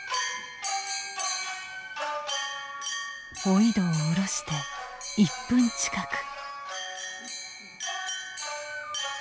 おいどを下ろして１分近く。